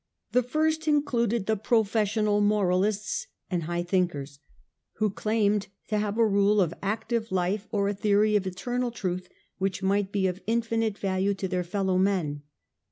The first included the professional moralists and high thinkers, who claimed to have a rule of active life CH. VIII. The Literary Currents of the Age, 169 or a theory of eternal truth which might be of infinite value to their fellow men.